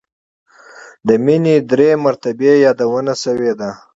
د مینې درې مرتبې یادونه شوې ده.